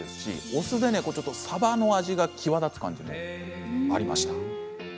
お酢でさばの味が際立つ感じがありました。